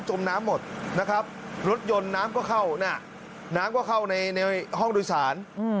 มน้ำหมดนะครับรถยนต์น้ำก็เข้าน้ำก็เข้าในห้องโดยสาร